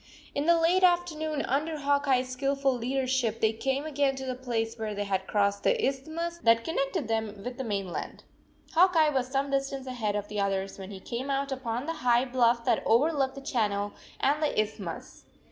In the late afternoon, under Hawk Eye s skillful leadership, they came again to the place where they had 108 crossed the isthmus that connected them with the mainland. Hawk Eye was some distance ahead of the others when he came out upon the high bluff that overlooked the channel and the isthmus.